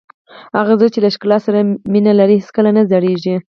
هغه زړه چې له ښکلا سره مینه لري هېڅکله نه زړیږي.